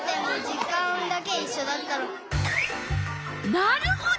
なるほど。